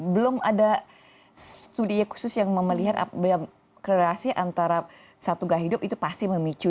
belum ada studi khusus yang melihat kreasi antara satu gaya hidup itu pasti memicu